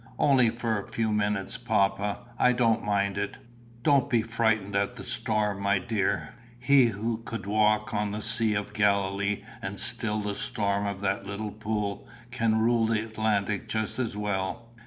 "Only for a few minutes, papa. I don't mind it." "Don't he frightened at the storm, my dear. He who could walk on the sea of Galilee, and still the storm of that little pool, can rule the Atlantic just as well.